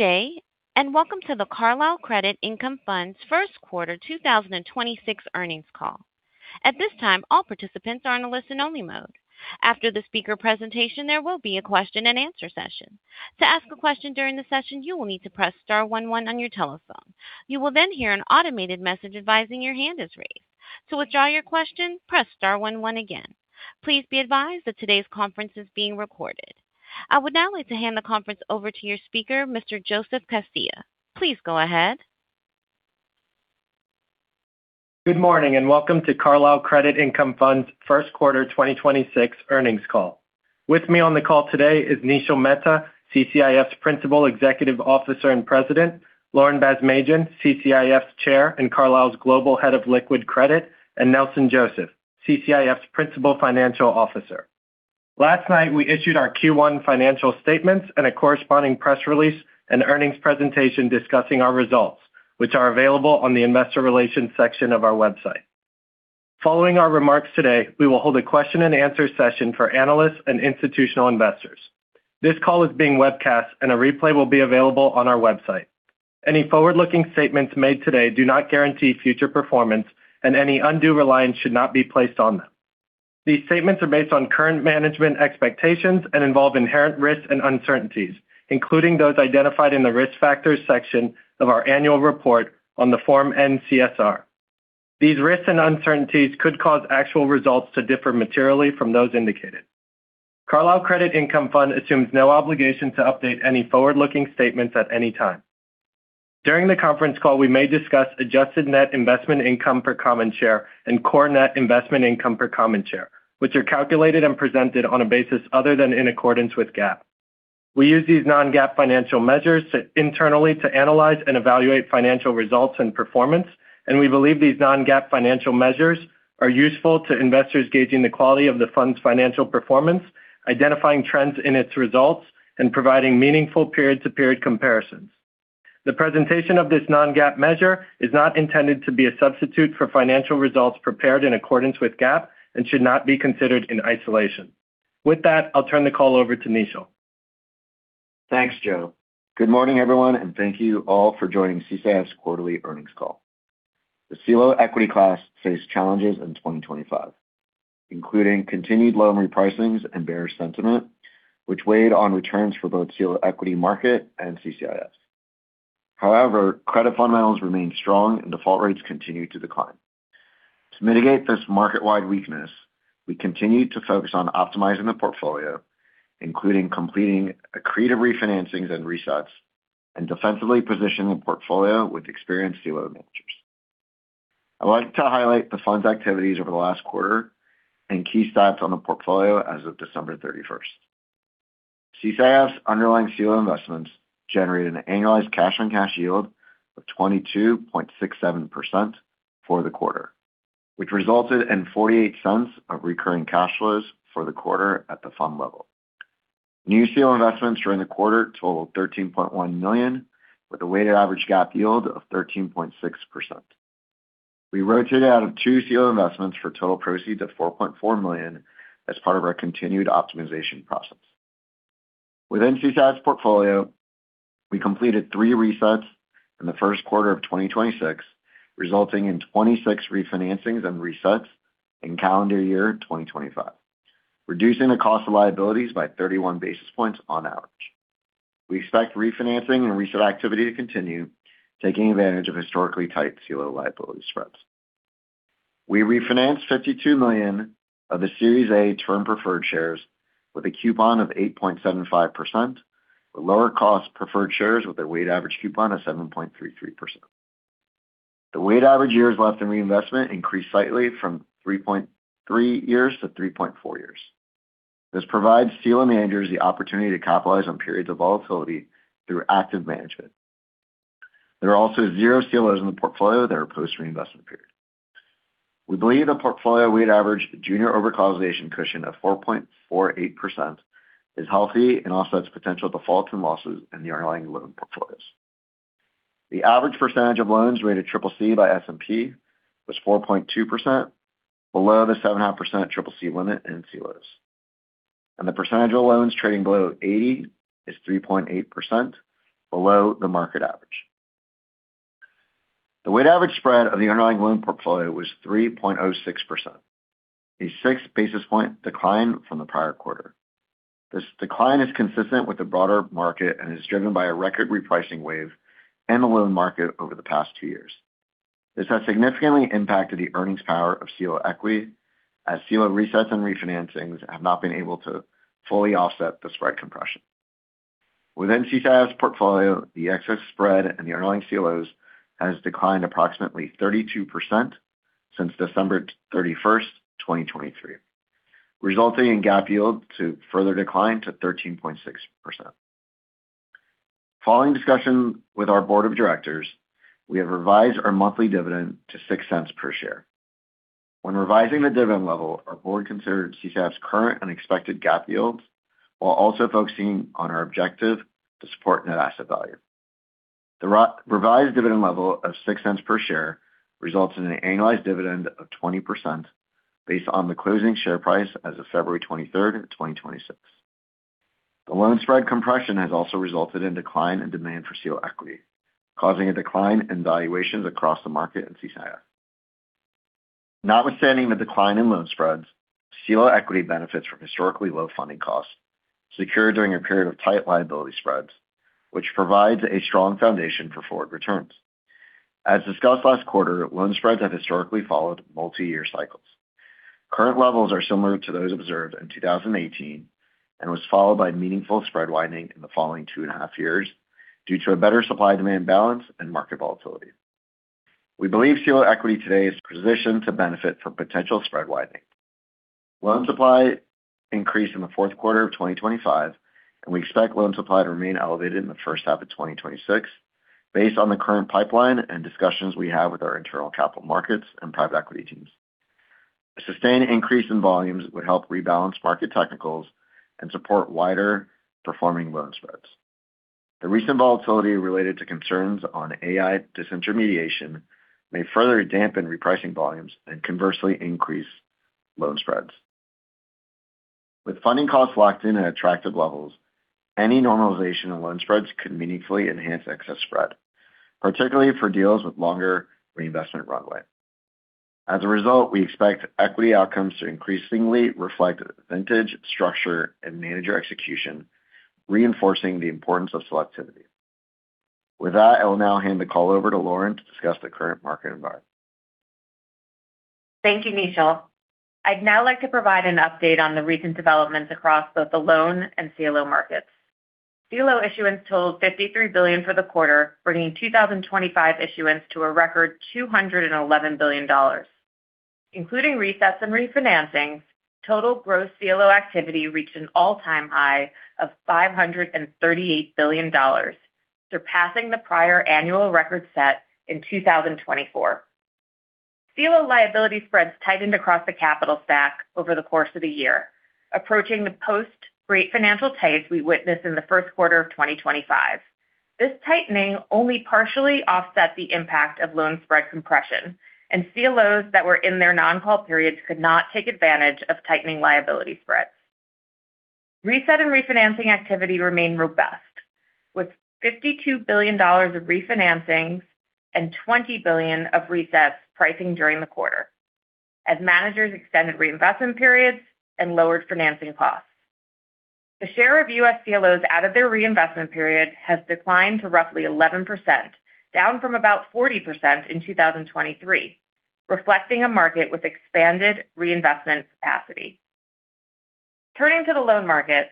Good day. Welcome to the Carlyle Credit Income Fund Q1 2026 earnings call. At this time, all participants are in a listen-only mode. After the speaker presentation, there will be a question-and-answer session. To ask a question during the session, you will need to press star one one on your telephone. You will hear an automated message advising your hand is raised. To withdraw your question, press star one one again. Please be advised that today's conference is being recorded. I would now like to hand the conference over to your speaker, Mr. Joseph Castilla. Please go ahead. Good morning, welcome to Carlyle Credit Income Fund's Q1 2026 earnings call. With me on the call today is Nishil Mehta, CCIF's Principal Executive Officer and President, Lauren Basmadjian, CCIF's Chair and Carlyle's Global Head of Liquid Credit, and Nelson Joseph, CCIF's Principal Financial Officer. Last night, we issued our Q1 financial statements and a corresponding press release and earnings presentation discussing our results, which are available on the investor relations section of our website. Following our remarks today, we will hold a question-and-answer session for analysts and institutional investors. This call is being webcast, and a replay will be available on our website. Any forward-looking statements made today do not guarantee future performance, and any undue reliance should not be placed on them. These statements are based on current management expectations and involve inherent risks and uncertainties, including those identified in the Risk Factors section of our annual report on the form NCSR. These risks and uncertainties could cause actual results to differ materially from those indicated. Carlyle Credit Income Fund assumes no obligation to update any forward-looking statements at any time. During the conference call, we may discuss adjusted net investment income per common share and core net investment income per common share, which are calculated and presented on a basis other than in accordance with GAAP. We use these non-GAAP financial measures to internally analyze and evaluate financial results and performance. We believe these non-GAAP financial measures are useful to investors gauging the quality of the fund's financial performance, identifying trends in its results, and providing meaningful period-to-period comparisons. The presentation of this non-GAAP measure is not intended to be a substitute for financial results prepared in accordance with GAAP and should not be considered in isolation. With that, I'll turn the call over to Nishil. Thanks, Joe. Good morning, everyone, and thank you all for joining CCIF's quarterly earnings call. The CLO equity class faced challenges in 2025, including continued loan repricings and bearish sentiment, which weighed on returns for both CLO equity market and CCIF. However, credit fundamentals remained strong and default rates continued to decline. To mitigate this market-wide weakness, we continued to focus on optimizing the portfolio, including completing accretive refinancings and resets, and defensively positioning the portfolio with experienced CLO managers. I'd like to highlight the fund's activities over the last quarter and key stats on the portfolio as of December 31st. CCIF's underlying CLO investments generated an annualized cash-on-cash yield of 22.67% for the quarter, which resulted in $0.48 of recurring cash flows for the quarter at the fund level. New CLO investments during the quarter totaled $13.1 million, with a weighted average GAAP yield of 13.6%. We rotated out of 2 CLO investments for total proceeds of $4.4 million as part of our continued optimization process. Within CCIF's portfolio, we completed 3 resets in the Q1 of 2026, resulting in 26 refinancings and resets in calendar year 2025, reducing the cost of liabilities by 31 basis points on average. We expect refinancing and reset activity to continue, taking advantage of historically tight CLO liability spreads. We refinanced $52 million of the Series A Term Preferred Shares with a coupon of 8.75%, with lower cost preferred shares with a weighted average coupon of 7.33%. The weighted average years left in reinvestment increased slightly from 3.3 years to 3.4 years. This provides CLO managers the opportunity to capitalize on periods of volatility through active management. There are also 0 CLOs in the portfolio that are post-reinvestment period. We believe the portfolio weight average junior overcollateralization cushion of 4.48% is healthy and offsets potential defaults and losses in the underlying loan portfolios. The average percentage of loans rated CCC by S&P was 4.2%, below the 7.5% CCC limit in CLOs, and the percentage of loans trading below 80 is 3.8%, below the market average. The weighted average spread of the underlying loan portfolio was 3.06%, a 6 basis point decline from the prior quarter. This decline is consistent with the broader market and is driven by a record repricing wave in the loan market over the past two years. This has significantly impacted the earnings power of CLO equity, as CLO resets and refinancings have not been able to fully offset the spread compression. Within CCIF's portfolio, the excess spread in the underlying CLOs has declined approximately 32% since December 31, 2023, resulting in GAAP yield to further decline to 13.6%. Following discussion with our board of directors, we have revised our monthly dividend to $0.06 per share. When revising the dividend level, our board considered CCIF's current and expected GAAP yields, while also focusing on our objective to support net asset value.... The revised dividend level of $0.06 per share results in an annualized dividend of 20% based on the closing share price as of February 23, 2026. The loan spread compression has also resulted in decline in demand for CLO equity, causing a decline in valuations across the market and CCIF. Notwithstanding the decline in loan spreads, CLO equity benefits from historically low funding costs, secured during a period of tight liability spreads, which provides a strong foundation for forward returns. As discussed last quarter, loan spreads have historically followed multi-year cycles. Current levels are similar to those observed in 2018, and was followed by meaningful spread widening in the following two and a half years, due to a better supply-demand balance and market volatility. We believe CLO equity today is positioned to benefit from potential spread widening. Loan supply increased in the Q4 of 2025, and we expect loan supply to remain elevated in the first half of 2026, based on the current pipeline and discussions we have with our internal capital markets and private equity teams. A sustained increase in volumes would help rebalance market technicals and support wider performing loan spreads. The recent volatility related to concerns on AI disintermediation may further dampen repricing volumes and conversely increase loan spreads. With funding costs locked in at attractive levels, any normalization in loan spreads could meaningfully enhance excess spread, particularly for deals with longer reinvestment runway. As a result, we expect equity outcomes to increasingly reflect vintage, structure, and manager execution, reinforcing the importance of selectivity. With that, I will now hand the call over to Lauren to discuss the current market environment. Thank you, Nishil. I'd now like to provide an update on the recent developments across both the loan and CLO markets. CLO issuance totaled $53 billion for the quarter, bringing 2025 issuance to a record $211 billion. Including resets and refinancing, total gross CLO activity reached an all-time high of $538 billion, surpassing the prior annual record set in 2024. CLO liability spreads tightened across the capital stack over the course of the year, approaching the post-financial crisis tights we witnessed in the Q1 of 2025. This tightening only partially offset the impact of loan spread compression. CLOs that were in their non-call periods could not take advantage of tightening liability spreads. Reset and refinancing activity remained robust, with $52 billion of refinancing and $20 billion of resets pricing during the quarter, as managers extended reinvestment periods and lowered financing costs. The share of U.S. CLOs out of their reinvestment period has declined to roughly 11%, down from about 40% in 2023, reflecting a market with expanded reinvestment capacity. Turning to the loan market,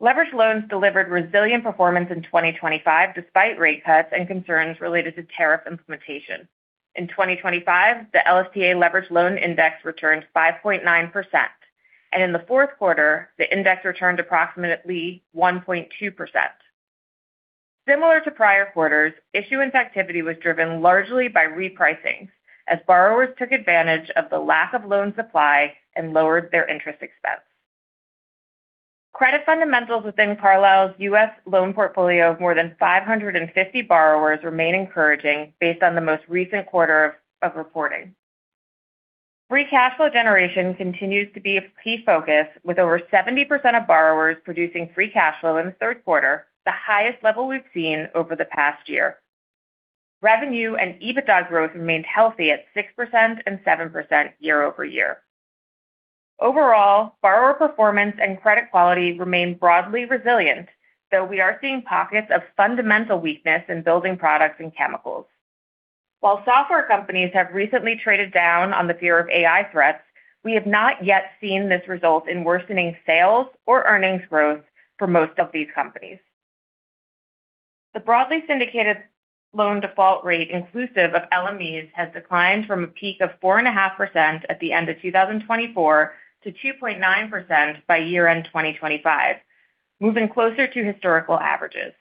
leverage loans delivered resilient performance in 2025, despite rate cuts and concerns related to tariff implementation. In 2025, the LSTA Leveraged Loan Index returned 5.9%, and in the Q4, the index returned approximately 1.2%. Similar to prior quarters, issuance activity was driven largely by repricing, as borrowers took advantage of the lack of loan supply and lowered their interest expense. Credit fundamentals within Carlyle's U.S. loan portfolio of more than 550 borrowers remain encouraging based on the most recent quarter of reporting. Free Cash Flow generation continues to be a key focus, with over 70% of borrowers producing Free Cash Flow in the Q3, the highest level we've seen over the past year. Revenue and EBITDA growth remained healthy at 6% and 7% year-over-year. Overall, borrower performance and credit quality remain broadly resilient, though we are seeing pockets of fundamental weakness in building products and chemicals. While software companies have recently traded down on the fear of AI threats, we have not yet seen this result in worsening sales or earnings growth for most of these companies. The broadly syndicated loan default rate, inclusive of LMEs, has declined from a peak of 4.5% at the end of 2024 to 2.9% by year-end 2025, moving closer to historical averages.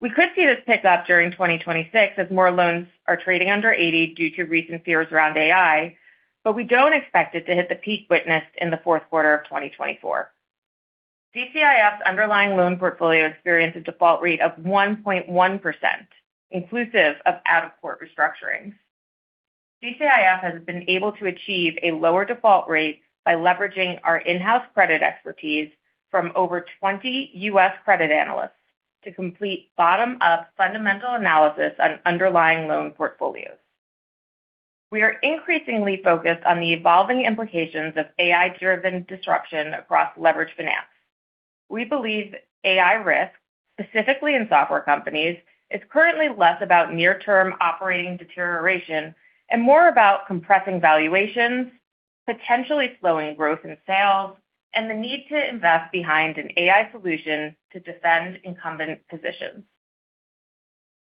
We could see this pick up during 2026 as more loans are trading under 80 due to recent fears around AI, but we don't expect it to hit the peak witnessed in the Q4 of 2024. CCIF's underlying loan portfolio experienced a default rate of 1.1%, inclusive of out-of-court restructurings. CCIF has been able to achieve a lower default rate by leveraging our in-house credit expertise from over 20 U.S. credit analysts to complete bottom-up fundamental analysis on underlying loan portfolios. We are increasingly focused on the evolving implications of AI-driven disruption across leveraged finance. We believe AI risk, specifically in software companies, is currently less about near-term operating deterioration and more about compressing valuations, potentially slowing growth in sales, and the need to invest behind an AI solution to defend incumbent positions.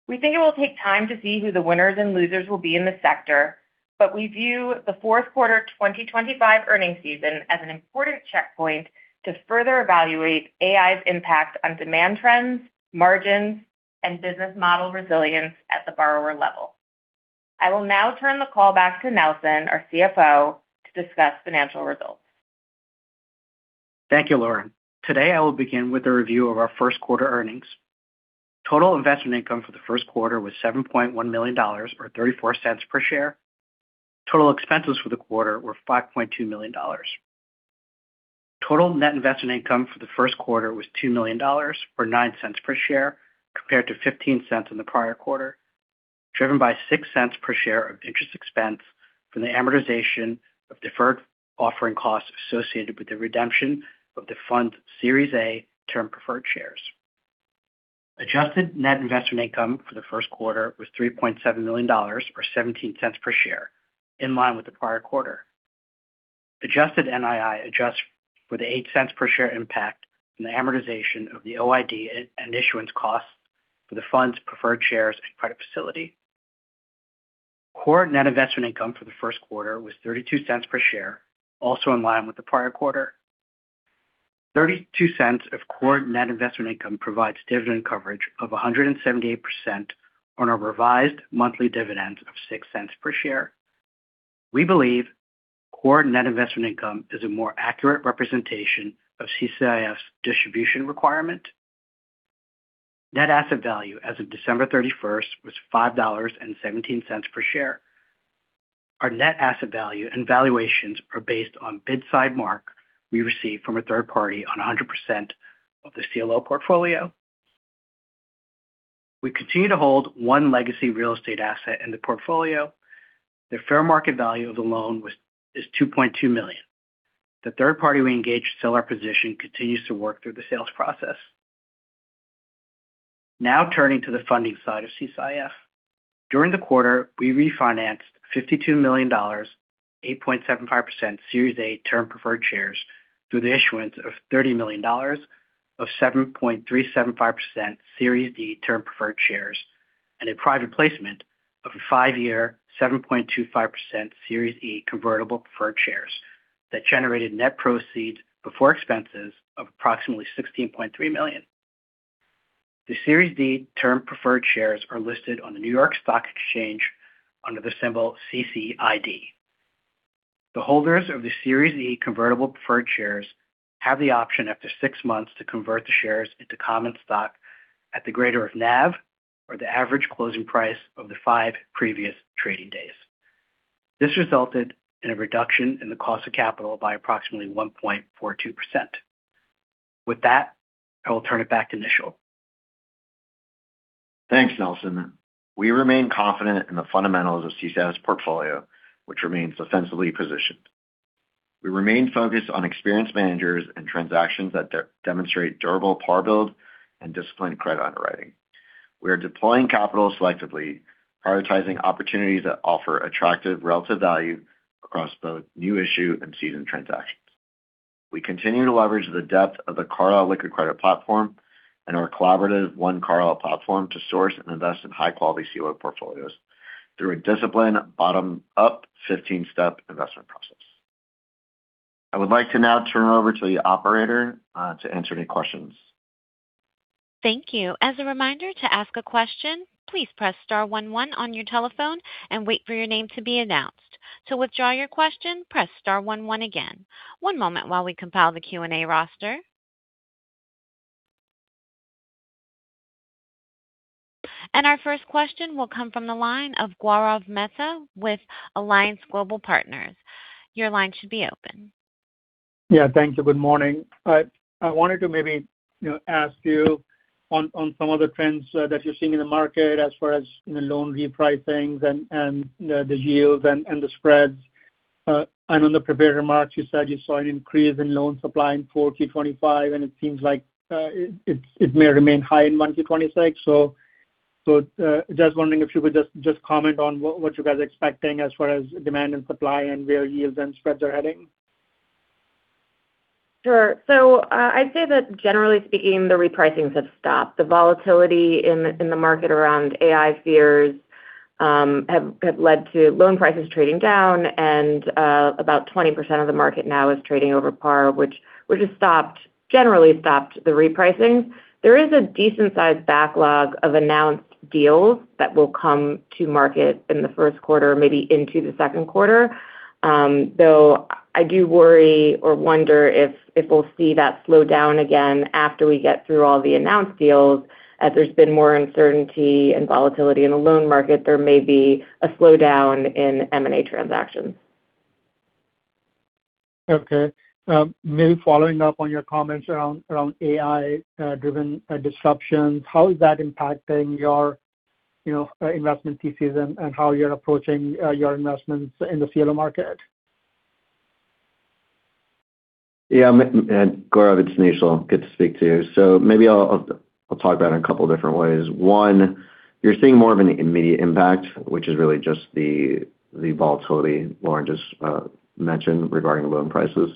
We think it will take time to see who the winners and losers will be in the sector, but we view the Q4 2025 earnings season as an important checkpoint to further evaluate AI's impact on demand trends, margins, and business model resilience at the borrower level. I will now turn the call back to Nelson, our CFO, to discuss financial results. Thank you, Lauren. Today, I will begin with a review of our Q1 earnings. Total investment income for the Q1 was $7.1 million, or $0.34 per share. Total expenses for the quarter were $5.2 million. Total net investment income for the Q1 was $2 million, or $0.09 per share, compared to $0.15 in the prior quarter, driven by $0.06 per share of interest expense from the amortization of deferred offering costs associated with the redemption of the fund's Series A Term Preferred Shares. Adjusted net investment income for the Q1 was $3.7 million, or $0.17 per share, in line with the prior quarter. Adjusted NII adjusts for the $0.08 per share impact from the amortization of the OID and issuance costs for the fund's preferred shares and credit facility. Core net investment income for the Q1 was $0.32 per share, also in line with the prior quarter. $0.32 of core net investment income provides dividend coverage of 178% on our revised monthly dividend of $0.06 per share. We believe core net investment income is a more accurate representation of CCIF's distribution requirement. Net asset value as of December 31st was $5.17 per share. Our net asset value and valuations are based on bid side mark we received from a third party on 100% of the CLO portfolio. We continue to hold one legacy real estate asset in the portfolio. The fair market value of the loan is $2.2 million. The third party we engaged to sell our position continues to work through the sales process. Turning to the funding side of CCIF. During the quarter, we refinanced $52 million, 8.75% Series A Term Preferred Shares, through the issuance of $30 million of 7.375% Series D Term Preferred Shares, and a private placement of a 5-year, 7.25% Series E Convertible Preferred Shares that generated net proceeds before expenses of approximately $16.3 million. The Series D Term Preferred Shares are listed on the New York Stock Exchange under the symbol CCID. The holders of the Series E convertible preferred shares have the option after six months to convert the shares into common stock at the greater of NAV or the average closing price of the five previous trading days. This resulted in a reduction in the cost of capital by approximately 1.42%. With that, I will turn it back to Nishal. Thanks, Nelson. We remain confident in the fundamentals of CCIF's portfolio, which remains defensively positioned. We remain focused on experienced managers and transactions that demonstrate durable par build and disciplined credit underwriting. We are deploying capital selectively, prioritizing opportunities that offer attractive relative value across both new issue and seasoned transactions. We continue to leverage the depth of the Carlyle liquid credit platform and our collaborative One Carlyle platform to source and invest in high-quality CLO portfolios through a disciplined, bottom-up, 15-step investment process. I would like to now turn it over to the operator to answer any questions. Thank you. As a reminder, to ask a question, please press star one one on your telephone and wait for your name to be announced. To withdraw your question, press star one one again. One moment while we compile the Q&A roster. Our first question will come from the line of Gaurav Mehta with Alliance Global Partners. Your line should be open. Yeah, thank you. Good morning. I wanted to maybe, you know, ask you on some of the trends that you're seeing in the market as far as the loan repricings and the yields and the spreads. On the prepared remarks, you said you saw an increase in loan supply in 4Q 2025, and it seems like it may remain high in 1Q 2026. Just wondering if you could just comment on what you guys are expecting as far as demand and supply and where yields and spreads are heading? Sure. I'd say that generally speaking, the repricings have stopped. The volatility in the market around AI fears have led to loan prices trading down, and about 20% of the market now is trading over par, which has stopped, generally stopped the repricing. There is a decent sized backlog of announced deals that will come to market in the Q1, maybe into the Q2. Though I do worry or wonder if we'll see that slow down again after we get through all the announced deals, as there's been more uncertainty and volatility in the loan market, there may be a slowdown in M&A transactions. Maybe following up on your comments around AI driven disruptions, how is that impacting your, you know, investment thesis and how you're approaching your investments in the CLO market? Gaurav, it's Nishal. Good to speak to you. Maybe I'll talk about it a couple different ways. One, you're seeing more of an immediate impact, which is really just the volatility Lauren just mentioned regarding loan prices.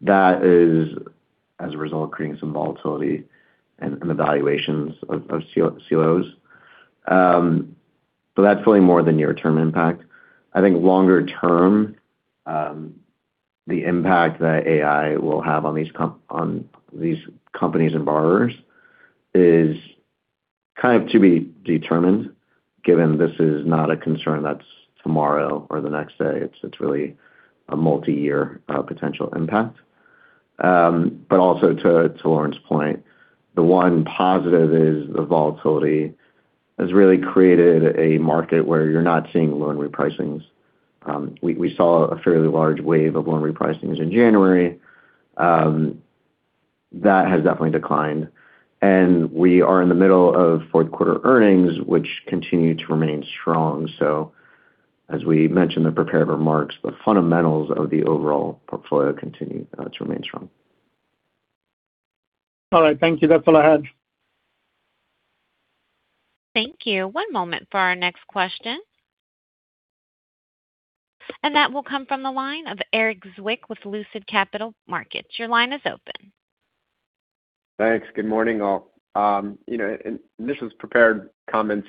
That is, as a result, creating some volatility and evaluations of CLOs. That's really more the near-term impact. I think longer term, the impact that AI will have on these companies and borrowers is kind of to be determined, given this is not a concern that's tomorrow or the next day. It's really a multi-year potential impact. Also to Lauren's point, the one positive is the volatility has really created a market where you're not seeing loan repricings. We saw a fairly large wave of loan repricings in January. That has definitely declined, and we are in the middle of Q4 earnings, which continue to remain strong. As we mentioned in the prepared remarks, the fundamentals of the overall portfolio continue to remain strong. All right. Thank you. That's all I had. Thank you. One moment for our next question. That will come from the line of Erik Zwick with Lucid Capital Markets. Your line is open. Thanks. Good morning, all. You know, this was prepared comments,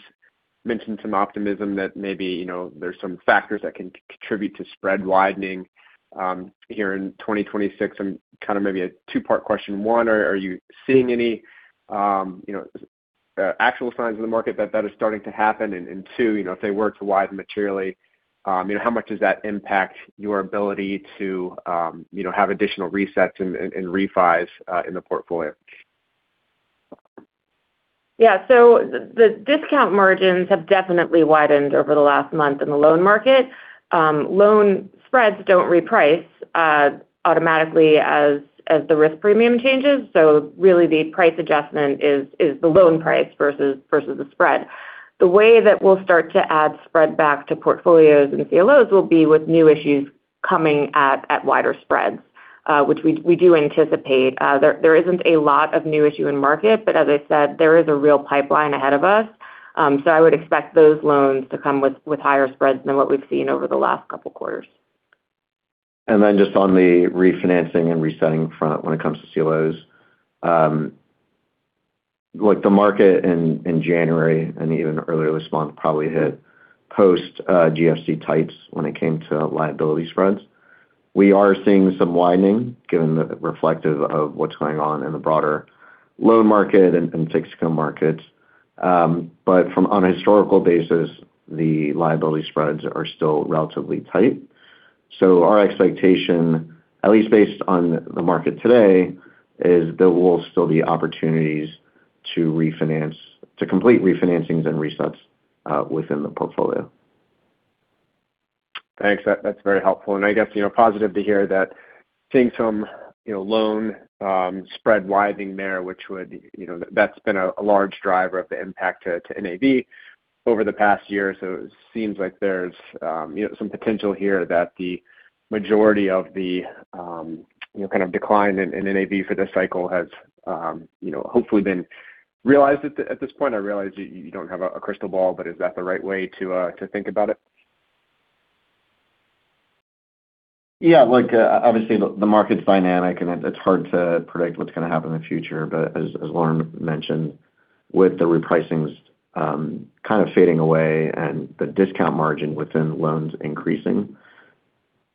mentioned some optimism that maybe, you know, there's some factors that can contribute to spread widening here in 2026. Kind of maybe a two-part question. One, are you seeing any, you know, actual signs in the market that that is starting to happen? Two, you know, if they were to widen materially, you know, how much does that impact your ability to, you know, have additional resets and refis in the portfolio? The discount margins have definitely widened over the last month in the loan market. Loan spreads don't reprice automatically as the risk premium changes. Really the price adjustment is the loan price versus the spread. The way that we'll start to add spread back to portfolios and CLOs will be with new issues coming at wider spreads, which we do anticipate. There isn't a lot of new issue in market, but as I said, there is a real pipeline ahead of us. I would expect those loans to come with higher spreads than what we've seen over the last couple quarters. Just on the refinancing and resetting front when it comes to CLOs. Look, the market in January and even earlier this month, probably hit post GFC tights when it came to liability spreads. We are seeing some widening, given the reflective of what's going on in the broader loan market and fixed income market. From on a historical basis, the liability spreads are still relatively tight. Our expectation, at least based on the market today, is there will still be opportunities to complete refinancings and resets within the portfolio. Thanks. That, that's very helpful. I guess, you know, positive to hear that seeing some, you know, loan spread widening there, which would... You know, that's been a large driver of the impact to NAV over the past year. It seems like there's, you know, some potential here that the majority of the, you know, kind of decline in NAV for this cycle has, you know, hopefully been realized at this point. I realize you don't have a crystal ball, but is that the right way to think about it? Yeah. Look, obviously, the market's dynamic, and it's hard to predict what's gonna happen in the future. As Lauren mentioned, with the repricings, kind of fading away and the discount margin within loans increasing,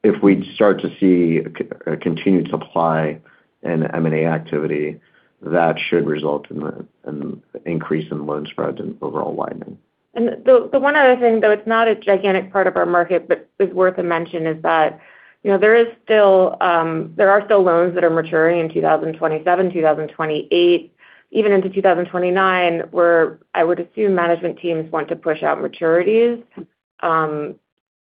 if we start to see a continued supply in M&A activity, that should result in an increase in loan spreads and overall widening. The one other thing, though it's not a gigantic part of our market but is worth a mention, is that, you know, there are still loans that are maturing in 2027, 2028, even into 2029, where I would assume management teams want to push out maturities.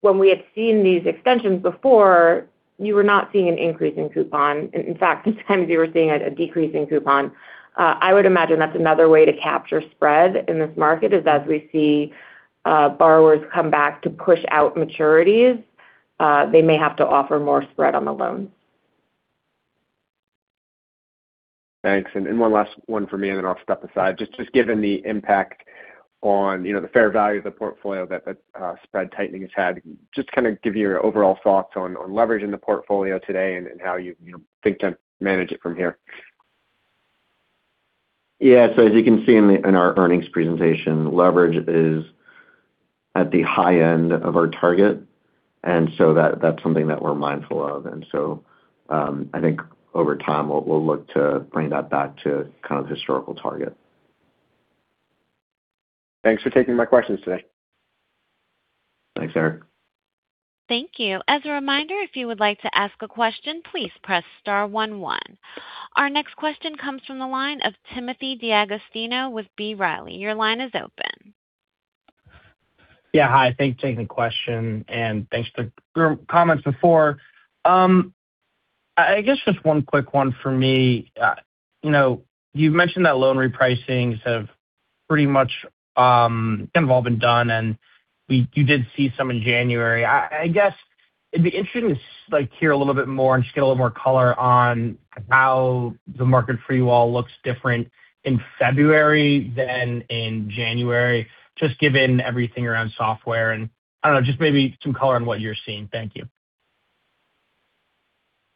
When we had seen these extensions before, you were not seeing an increase in coupon. In fact, sometimes you were seeing a decrease in coupon. I would imagine that's another way to capture spread in this market, is as we see, borrowers come back to push out maturities, they may have to offer more spread on the loans. Thanks. One last one for me, and then I'll step aside. Just given the impact on, you know, the fair value of the portfolio that the spread tightening has had, just kind of give your overall thoughts on leverage in the portfolio today and how you think to manage it from here. As you can see in our earnings presentation, leverage is at the high end of our target, and that's something that we're mindful of. I think over time, we'll look to bring that back to kind of historical target. Thanks for taking my questions today. Thanks, Eric. Thank you. As a reminder, if you would like to ask a question, please press star one one. Our next question comes from the line of Timothy D'Agostino with B. Riley. Your line is open. Yeah. Hi, thanks for taking the question, and thanks for your comments before. I guess just one quick one for me. You know, you've mentioned that loan repricings have pretty much kind of all been done, and you did see some in January. I guess it'd be interesting to, like, hear a little bit more and just get a little more color on how the market for you all looks different in February than in January, just given everything around software and, I don't know, just maybe some color on what you're seeing. Thank you.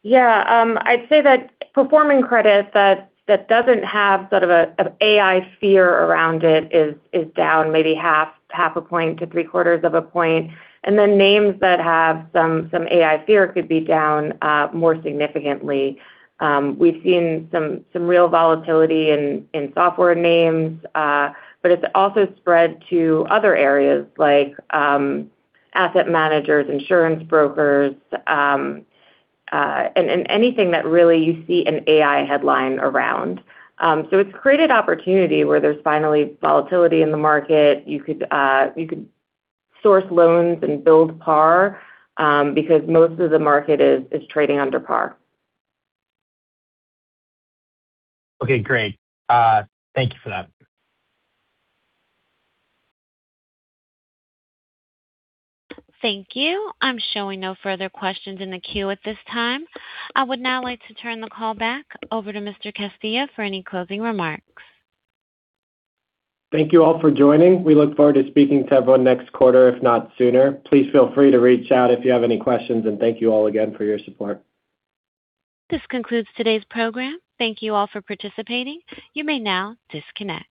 Yeah, I'd say that performing credit that doesn't have sort of a, an AI fear around it is down maybe half a point-three-quarters of a point, and then names that have some AI fear could be down more significantly. We've seen some real volatility in software names, but it's also spread to other areas like asset managers, insurance brokers, and anything that really you see an AI headline around. It's created opportunity where there's finally volatility in the market. You could source loans and build par, because most of the market is trading under par. Okay, great. Thank you for that. Thank you. I'm showing no further questions in the queue at this time. I would now like to turn the call back over to Mr. Castilla for any closing remarks. Thank you all for joining. We look forward to speaking to everyone next quarter, if not sooner. Please feel free to reach out if you have any questions, and thank you all again for your support. This concludes today's program. Thank you all for participating. You may now disconnect.